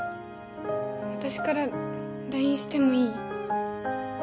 私から ＬＩＮＥ してもいい？